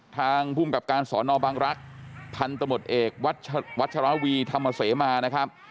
ทางภูมิกับการสอนอบังรักษ์พันธมตเอกวัชราวีธรรมเสมานะครับ